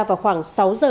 vào khoảng sáu giờ